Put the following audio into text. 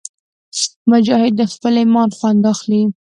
مجاهد د خپل ایمان خوند اخلي.